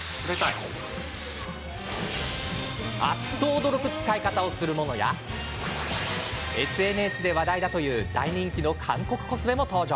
あっと驚く使い方をするものやＳＮＳで話題だという大人気の韓国コスメも登場。